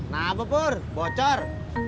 nah babur bocor